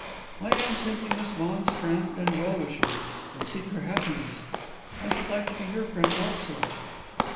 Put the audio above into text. I am simply Miss Vaughan's friend and well wisher, and seek her happiness. I should like to be your friend also."